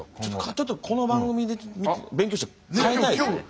ちょっとこの番組で勉強して変えたいですね。